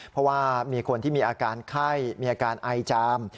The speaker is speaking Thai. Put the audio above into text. เพราะว่ามีคนที่มีอาการไข้มีอาการไอจาม